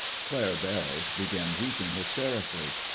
Claire Barrows began weeping hysterically.